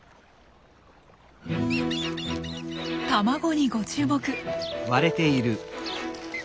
卵にご注目。